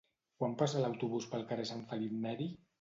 Quan passa l'autobús pel carrer Sant Felip Neri?